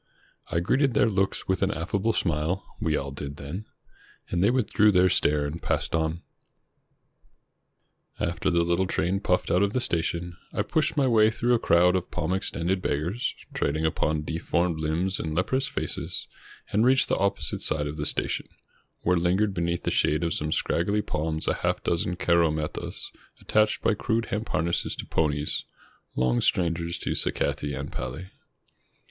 I greeted their looks with an aflfable smile, — we all did then, — and they withdrew their stare and passed on. After the little train puffed out of the station, I pushed my way through a crowd of palm extended beggars, trading upon deformed Umbs and leprous faces, and reached the opposite side of the station, where Hngered beneath the shade of some scraggly palms a half dozen caromettas, attached by crude hemp harnesses to ponies, long strangers to sacati and pali.